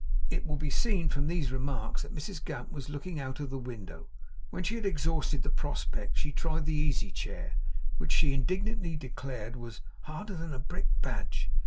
It will be seen from these remarks that Mrs Gamp was looking out of window. When she had exhausted the prospect, she tried the easy chair, which she indignantly declared was 'harder than a brickbadge.